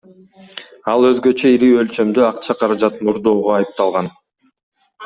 Ал өзгөчө ири өлчөмдө акча каражатын уурдоого айыпталган.